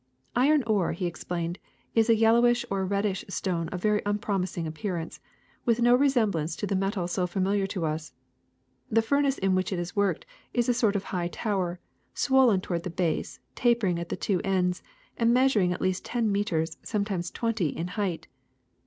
''Iron ore," he explained, "is a yellow or reddish stone of very unpromising appearance, with no re semblance to the metal so familiar to us. The fur nace in which it is worked is a sort of high tower, swollen toward the base, tapering at the two ends, and measuring at least ten meters, sometimes twenty, in height.